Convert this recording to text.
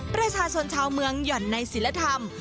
ประชาชนชาวเมืองหย่อนในศิลธรรม